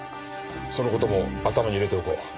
その事も頭に入れておこう。